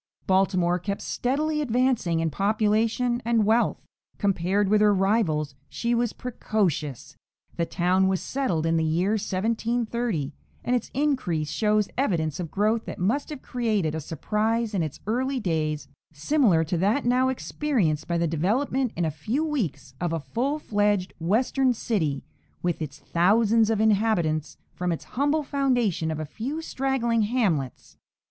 Baltimore kept steadily advancing in population and wealth; compared with her rivals, she was precocious. The town was settled in the year 1730, and its increase shows evidence of growth that must have created a surprise in its early days similar to that now experienced by the development in a few weeks of a full fledged Western city, with its thousands of inhabitants, from its humble foundation of a few straggling hamlets.